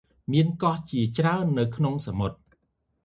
មានកោះជាច្រើន នៅក្នុងសមុទ្រ ។